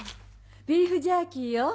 ビーフジャーキーよ。